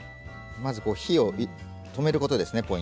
まず火を止めることですね。